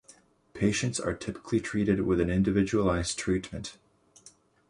Patients are typically treated with an individualized treatment.